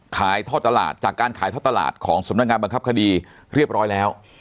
ท่อตลาดจากการขายท่อตลาดของสำนักงานบังคับคดีเรียบร้อยแล้ว